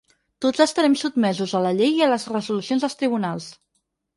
Tots estarem sotmesos a la llei i a les resolucions dels tribunals.